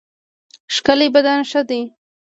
ښکلی بدن ښه دی.